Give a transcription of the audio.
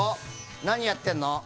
何やってんの？